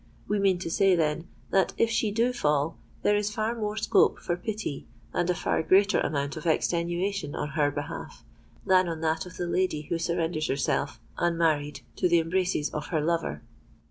We mean to say, then, that if she do fall, there is far more scope for pity and a far greater amount of extenuation on her behalf, than on that of the lady who surrenders herself, unmarried, to the embraces of her lover!